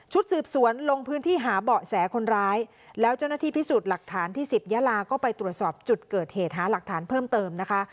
สืบสวนลงพื้นที่หาเบาะแสคนร้ายแล้วเจ้าหน้าที่พิสูจน์หลักฐานที่สิบยาลาก็ไปตรวจสอบจุดเกิดเหตุหาหลักฐานเพิ่มเติมนะคะ